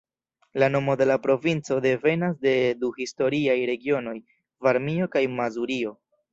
La nomo de la provinco devenas de du historiaj regionoj: Varmio kaj Mazurio.